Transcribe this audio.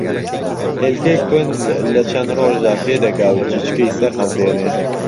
ھێلکەی کوند لە چەن ڕۆژدا پێ دەگا و جوچکەی سەرھەڵدێنێ